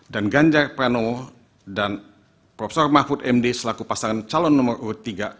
dan ganjar pranowo dan prof mahfud md selaku pasangan calon nomor urut tiga